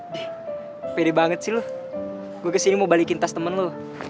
deh pede banget sih lo gue kesini mau balikin tas temen lu